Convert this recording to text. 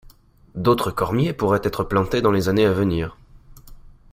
D'autres cormiers pourraient être plantés dans les années à venir.